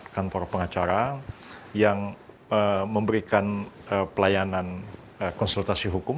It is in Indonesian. kantor pengacara yang memberikan pelayanan konsultasi hukum